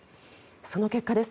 その結果です。